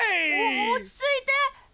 お落ち着いて！